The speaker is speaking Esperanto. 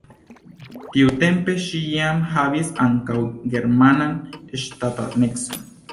Tiutempe ŝi jam havis ankaŭ germanan ŝtatanecon.